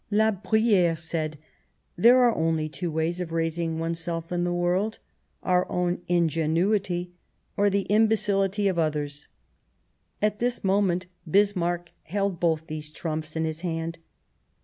La Bruyere said :" There are only two ways of raising oneself in the world — our own ingenuity or the imbecility of others." At this moment Bismarck held both these trumps in his hand.